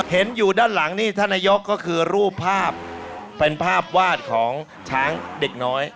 เห็นอยู่ด้านหลังนี่ท่านนายกก็คือรูปภาพเป็นภาพวาดของช้างเด็กน้อย